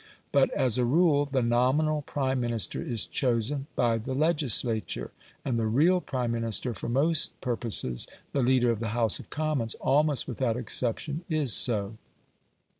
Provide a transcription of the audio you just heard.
But, as a rule, the nominal Prime Minister is chosen by the legislature, and the real Prime Minister for most purposes the leader of the House of Commons almost without exception is so.